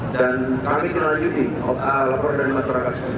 dan kami dilanjutkan laporan dari masyarakat